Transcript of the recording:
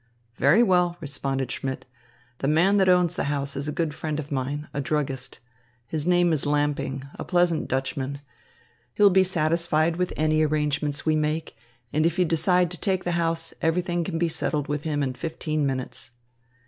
"Very well," responded Schmidt, "the man that owns the house is a good friend of mine, a druggist. His name is Lamping, a pleasant Dutchman. He'll be satisfied with any arrangements we make; and if you decide to take the house, everything can be settled with him in fifteen minutes."